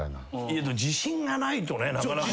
自信がないとねなかなか。